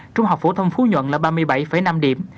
trung học phổ thông phú nhuận là ba mươi bảy năm điểm